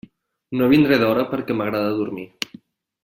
No vindré d'hora perquè m'agrada dormir.